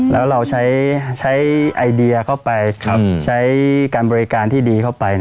แล้วเราใช้ไอเดียเข้าไปใช้การบริการที่ดีเข้าไป